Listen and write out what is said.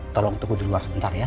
tolong tunggu di luar sebentar ya